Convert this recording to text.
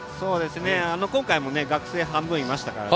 今回も学生半分いましたからね。